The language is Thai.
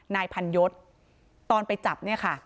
นายพันยศตอนไปจับ